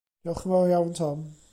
Diolch yn fawr iawn, Tom.